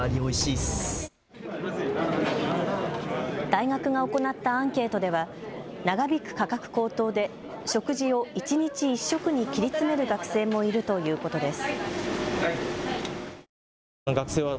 大学が行ったアンケートでは長引く価格高騰で食事を一日１食に切り詰める学生もいるということです。